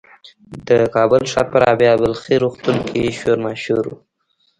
د کابل ښار په رابعه بلخي روغتون کې شور ماشور و.